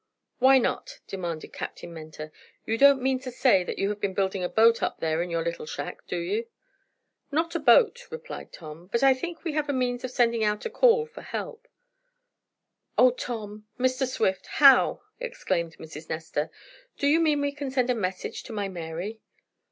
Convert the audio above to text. "Why not," demanded Captain Mentor. "You don't mean to say that you have been building a boat up there in your little shack, do you?" "Not a boat," replied Tom, "but I think I have a means of sending out a call for help!" "Oh, Tom Mr. Swift how?" exclaimed Mrs. Nestor. "Do you mean we can send a message to my Mary?"